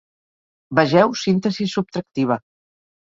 Vegeu síntesi subtractiva.